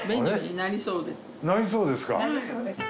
なりそうです。